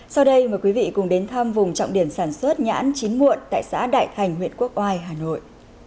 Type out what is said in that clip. sau đây mời quý vị cùng đến thăm vùng trọng điểm sản xuất nhãn chín muộn tại xã đại thành huyện quốc oai hà nội